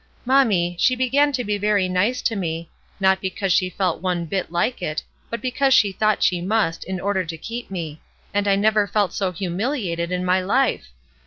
"Mommy, she began to be very nice to me; not because she felt one bit like it, but because she thought she must, in order to keep me; and I never felt so humiliated in my life